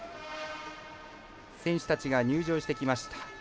選手たちが入場してきました。